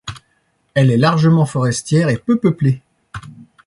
Elle est largement forestière et peu peuplée.